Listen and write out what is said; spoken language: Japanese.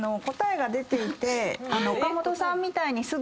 答えが出ていて岡本さんみたいに。